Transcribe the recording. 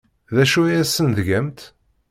D acu ay asen-tgamt?